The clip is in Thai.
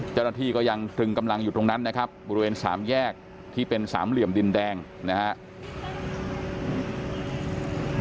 เจ้าหน้าที่ก็ยังตรึงกำลังอยู่ตรงนั้นนะครับบริเวณสามแยกที่เป็นสามเหลี่ยมดินแดงนะครับ